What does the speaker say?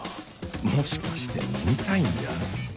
もしかして飲みたいんじゃ？